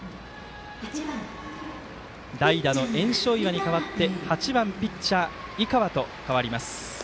代打の焔硝岩に代わって８番ピッチャー井川と代わります。